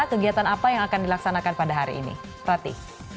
kegiatan apa yang akan dilaksanakan pada hari ini rati